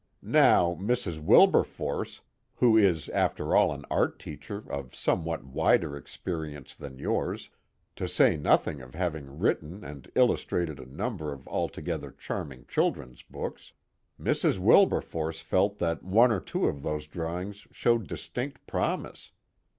Now Mrs. Wilberforce, who is after all an art teacher of somewhat wider experience than yours, to say nothing of having written and illustrated a number of altogether charming children's books, Mrs. Wilberforce felt that one or two of those drawings showed distinct promise.